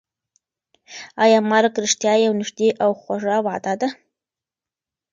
ایا مرګ رښتیا یوه نږدې او خوږه وعده ده؟